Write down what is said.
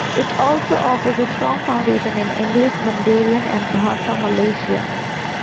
It also offers a strong foundation in English, Mandarin and Bahasa Malaysia.